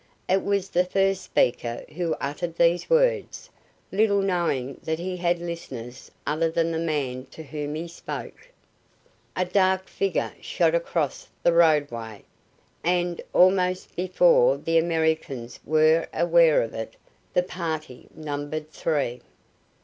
It was the first speaker who uttered these words, little knowing that he had listeners other than the man to whom he spoke. A dark figure shot across the roadway, and, almost before the Americans were aware of it, the party numbered three.